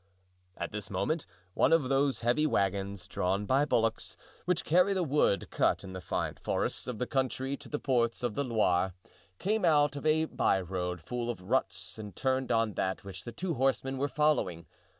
At this moment one of those heavy wagons, drawn by bullocks, which carry the wood cut in the fine forests of the country to the ports of the Loire, came out of a byroad full of ruts and turned on that which the two horsemen were following.